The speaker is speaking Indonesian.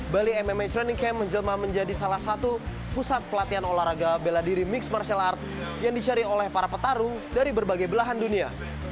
bali mma training camp menjelma menjadi salah satu pusat pelatihan olahraga bela diri mixed martial art yang dicari oleh para petarung dari berbagai belahan dunia